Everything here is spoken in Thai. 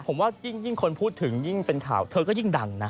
ผมว่ายิ่งคนพูดถึงยิ่งเป็นข่าวเธอก็ยิ่งดังนะ